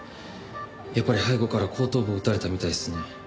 やっぱり背後から後頭部を撃たれたみたいですね。